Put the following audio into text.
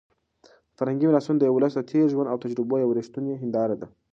فرهنګي میراثونه د یو ولس د تېر ژوند او تجربو یوه رښتونې هنداره ده.